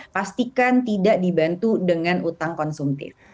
pastikan tidak dibantu dengan utang konsumtif